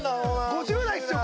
５０代ですよ